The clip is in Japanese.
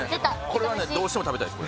これはねどうしても食べたいです